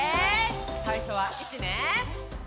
さいしょは１ね。